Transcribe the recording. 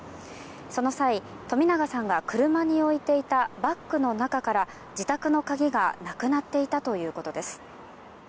その際、冨永さんが車に置いていたバッグの中から自宅の鍵がなくなっていたということです。